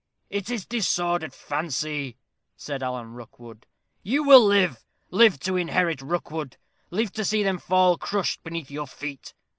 "It is disordered fancy," said Alan Rookwood. "You will live live to inherit Rookwood live to see them fall crushed beneath your feet.